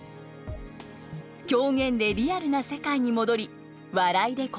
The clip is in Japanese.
狂言でリアルな世界に戻り笑いで心を解きほぐす。